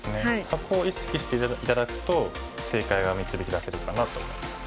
そこを意識して頂くと正解が導き出せるかなと思います。